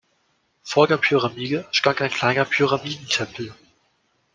Vor der Pyramide stand ein kleiner Pyramidentempel.